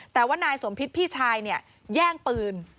แต่ว่านายสมพิษพิชัยแย่งปืน